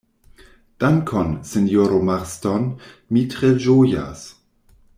Dankon, sinjoro Marston, mi tre ĝojas.